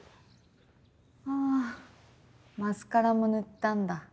あマスカラも塗ったんだ。